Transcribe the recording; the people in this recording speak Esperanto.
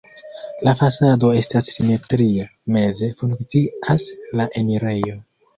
La fasado estas simetria, meze funkcias la enirejo.